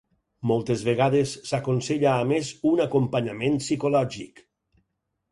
Moltes vegades s'aconsella a més un acompanyament psicològic.